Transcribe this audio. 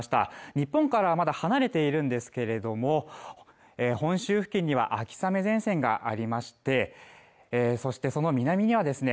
日本からはまだ離れているんですけれども本州付近には秋雨前線がありましてそしてその南にはですね